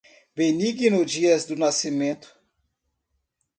Benigno Dias do Nascimento